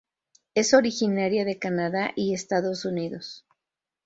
Es originaria de Canadá y Estados Unidos.